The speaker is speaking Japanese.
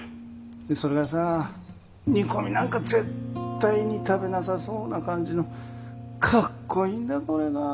それがさ煮込みなんか絶対に食べなさそうな感じのかっこいいんだこれが。